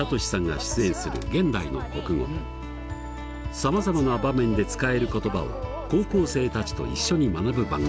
さまざまな場面で使える言葉を高校生たちと一緒に学ぶ番組。